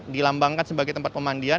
dilambangkan sebagai tempat pemandian